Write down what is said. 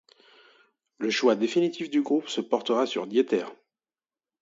Le choix definitif du groupe se portera sur Dieter.